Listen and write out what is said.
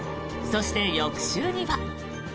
そして翌週には。